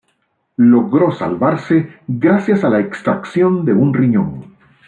Logró salvarse gracias a la extracción de un riñón.